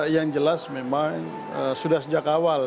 yang jelas memang sudah sejak awal